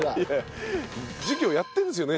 授業やってるんですよね？